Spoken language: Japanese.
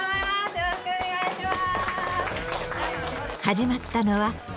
よろしくお願いします。